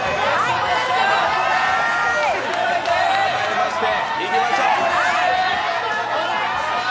改めまして、いきましょう。